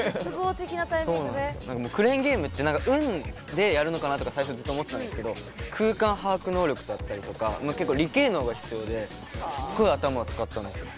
クレーンゲームって運でやるのかなって最初ずっと思ってたんですけど空間把握能力だったり理系脳が必要ですごい頭を使ったんですよ。